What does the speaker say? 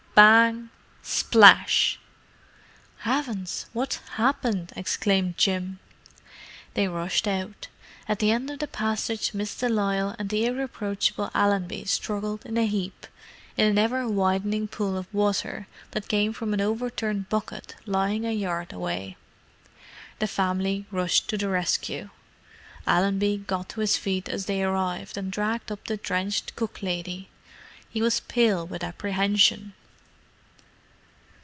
Bang! Splash! "Heavens, what's happened!" exclaimed Jim. They rushed out. At the end of the passage Miss de Lisle and the irreproachable Allenby struggled in a heap—in an ever widening pool of water that came from an overturned bucket lying a yard away. The family rushed to the rescue. Allenby got to his feet as they arrived, and dragged up the drenched cook lady. He was pale with apprehension.